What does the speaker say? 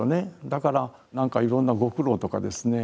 だから何かいろんなご苦労とかですね